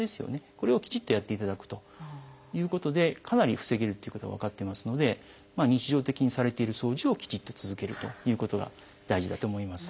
これをきちっとやっていただくということでかなり防げるっていうことが分かってますので日常的にされている掃除をきちっと続けるということが大事だと思います。